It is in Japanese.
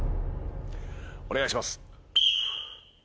お願いします。